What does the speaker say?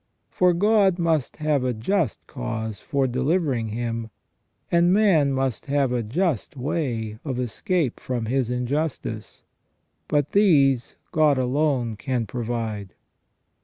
For God must have a just cause for delivering him, and man must have a just way of escape from his injustice. But these God alone can provide.